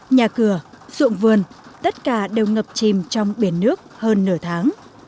nhà cửa ruộng vườn tất cả đều ngập chìm trong biển nước hơn nửa tháng